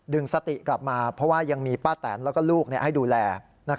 สติกลับมาเพราะว่ายังมีป้าแตนแล้วก็ลูกให้ดูแล